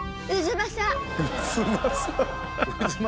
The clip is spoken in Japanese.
太秦！